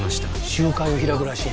集会を開くらしいんや。